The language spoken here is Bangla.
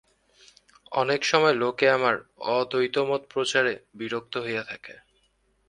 অনেক সময় লোকে আমার অদ্বৈতমত-প্রচারে বিরক্ত হইয়া থাকে।